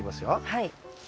はい。